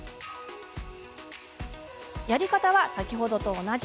やり方は、さっきと同じ。